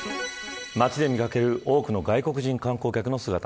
街で見掛ける多くの外国人観光客の姿。